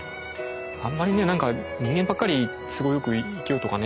あんまりねなんか人間ばっかり都合良く生きようとかね